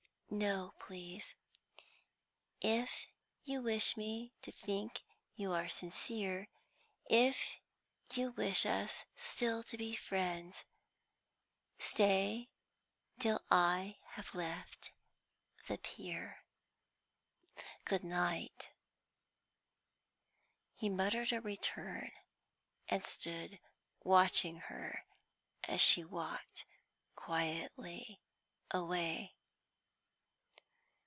"No, please. If you wish me to think you are sincere, if you wish us still to be friends stay till I have left the pier. Good night." He muttered a return, and stood watching her as she walked quietly away.